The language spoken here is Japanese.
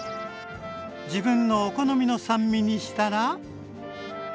自分のお好みの酸味にしたら。